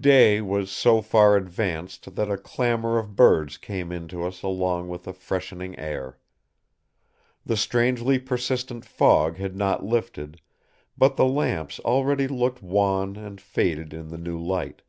Day was so far advanced that a clamor of birds came in to us along with a freshening air. The strangely persistent fog had not lifted, but the lamps already looked wan and faded in the new light.